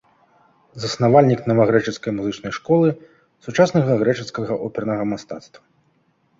Заснавальнік навагрэчаскай музычнай школы, сучаснага грэчаскага опернага мастацтва.